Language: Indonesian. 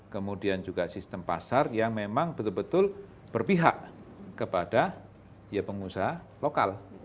kemudian juga sistem pasar yang memang betul betul berpihak kepada pengusaha lokal